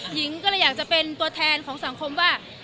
หญิงก็เลยอยากจะเป็นตัวแทนของสังคมว่า